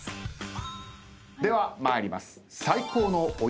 では参ります。